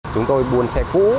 chúng tôi buồn xe cũ